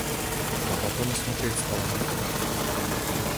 А потом и смотреть стало некуда.